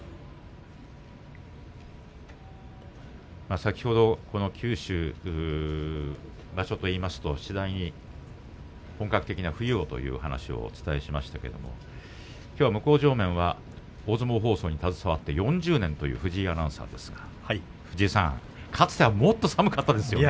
先ほど、九州場所といいますと次第に本格的な冬をという話をお伝えしましたけれどもきょうは向正面は、大相撲放送に携わって４０年という藤井アナウンサーですが藤井さん、かつてはもっと寒かったですよね。